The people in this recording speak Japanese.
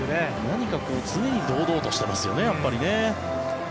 何か常に堂々としていますよね。